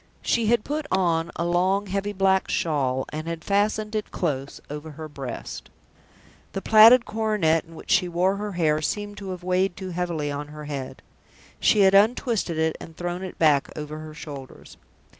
She had put on a long, heavy black shawl, and had fastened it close over her breast. The plaited coronet in which she wore her hair seemed to have weighed too heavily on her head. She had untwisted it, and thrown it back over her shoulders.